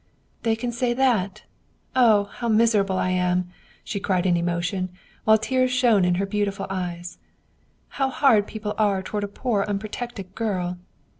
" They can say that ! Oh, how miserable I am !" she cried in emotion, while tears shone in her beautiful eyes. " How hard people are toward a poor unprotected girl.